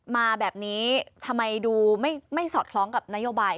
มาแบบนี้ทำไมดูไม่สอดคล้องกับนโยบาย